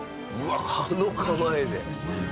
あの構えで。